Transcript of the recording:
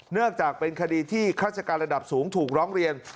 เนื่องจากเป็นคดีที่ฆาติการระดับสูงถูกร้องเรียน